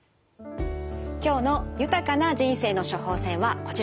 今日の豊かな人生の処方せんはこちら。